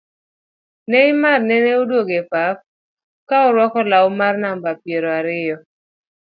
Neymar nene odwogo e pap ka orwako lau mar namba piero ariyo